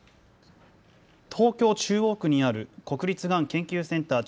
東京中央区にある国立がん研究センター